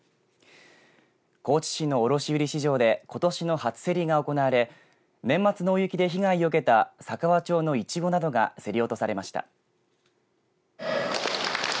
高知市の卸売市場でことしの初競りが行われ年末の大雪で被害を受けた佐川町のいちごなどが競り落とされました。